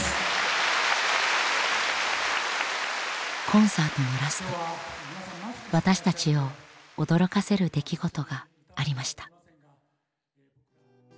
コンサートのラスト私たちを驚かせる出来事がありました。